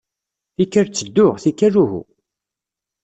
Tikkal ttedduɣ, tikkal uhu.